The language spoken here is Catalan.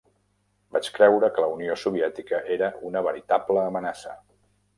Vaig creure que la Unió Soviètica era una veritable amenaça.